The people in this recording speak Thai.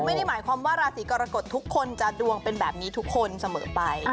ไม่ได้หมายความว่าราศีกรกฎทุกคนจะดวงเป็นแบบนี้ทุกคนเสมอไป